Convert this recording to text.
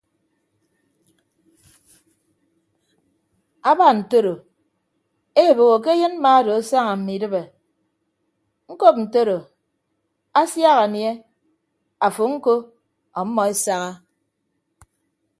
Aba ntoro eboho ke ayịn mma odo asaña mme idịp ñkọp ntodo asiak anie afo ñko ọmmọ esaha.